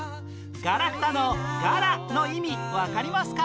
ガラクタの「ガラ」の意味わかりますか？